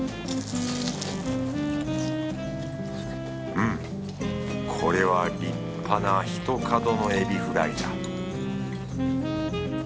うんこれは立派なひとかどの海老フライだ